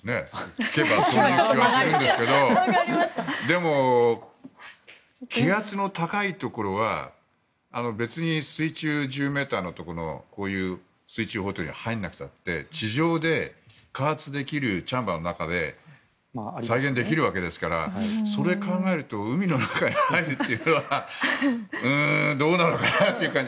聞けばそういう気はするんですけどでも、気圧の高いところは別に水中１０ｍのこういう水中ホテルに入らなくたって地上で加圧できるチャンバーの中で再現できるわけですからそれを考えると海の中に入るというのはどうなのかなという感じ。